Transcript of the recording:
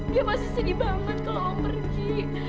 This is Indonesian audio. dia pasti sedih banget kalau pergi